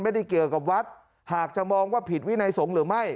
ไม่ได้เกี่ยวกับวัดหากจะมองว่าผิดวินัยสงฆ์หรือไม่